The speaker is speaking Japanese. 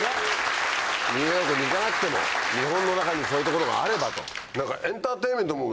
ニューヨークに行かなくても日本にそういう所があればと。